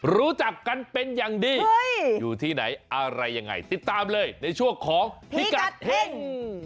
รู้จักกันเป็นอย่างดีอยู่ที่ไหนอะไรยังไงติดตามเลยในช่วงของพิกัดเฮ่ง